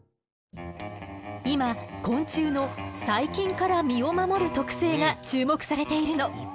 今昆虫の「細菌から身を守る特性」が注目されているの。